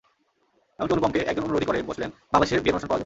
এমনকি অনুপমকে একজন অনুরোধই করে বসলেন বাংলাদেশে বিয়ের অনুষ্ঠান করার জন্য।